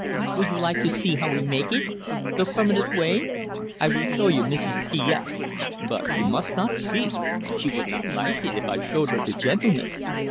"Would you like to see how we make eet the permanent wave? I weel show you Messes T S. But you must not speak she would not like eet if I showed her to gentlemen.